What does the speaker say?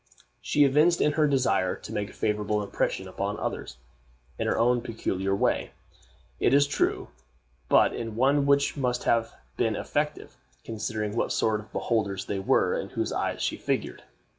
She evinced her desire to make a favorable impression upon others, in her own peculiar way, it is true, but in one which must have been effective, considering what sort of beholders they were in whose eyes she figured.